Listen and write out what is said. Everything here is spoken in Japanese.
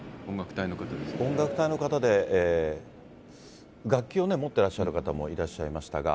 音楽隊の方で、楽器を持ってらっしゃる方もいらっしゃいましたが。